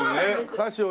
歌詞を。